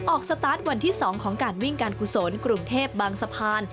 สตาร์ทวันที่๒ของการวิ่งการกุศลกรุงเทพบางสะพาน